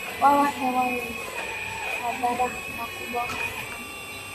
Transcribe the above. wawa hewa wenye madhara makubwa km